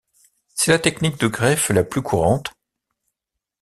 C'est la technique de greffe la plus courante.